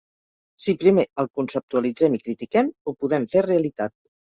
Si primer el conceptualitzem i critiquem, ho podem fer realitat.